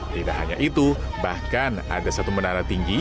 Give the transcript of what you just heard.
tidak hanya itu bahkan ada satu menara tinggi